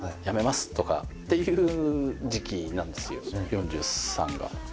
４３が。